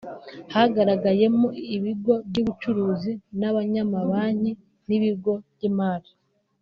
Hanagaragayemo ibigo by’ubucuruzi n’abanyamabanki n’ibigo by’imari